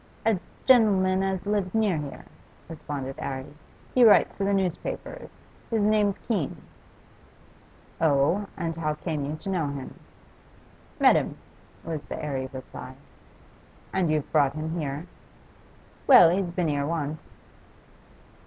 'A gen'leman as lives near here,' responded 'Arry. 'He writes for the newspapers. His name's Keene.' 'Oh? And how came you to know him?' 'Met him,' was the airy reply. 'And you've brought him here?' 'Well, he's been here once.